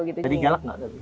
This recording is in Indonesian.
jadi galak gak